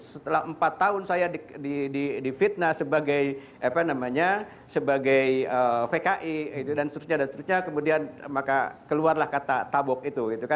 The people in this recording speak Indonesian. setelah empat tahun saya di fitnah sebagai vki dan seterusnya kemudian maka keluarlah kata tabok itu